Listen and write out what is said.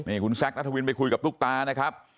นี่คุณแซคนัทวินไปคุยกับตุ๊กตานะครับ